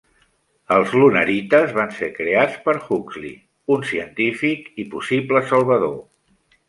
Els Lunarites van ser creats per Huxley, un científic i possible salvador.